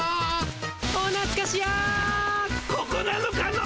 ここなのかの？